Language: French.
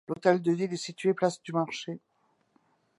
L'hôtel de ville est situé place du Marché.